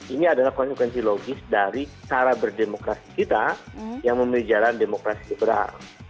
ini adalah konsekuensi logis dari cara berdemokrasi kita yang memiliki jalan demokrasi liberal